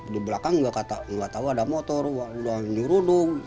di belakang nggak tau ada motor udah nyuruh dong